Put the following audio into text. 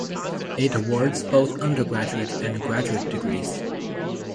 It awards both undergraduate and graduate degrees.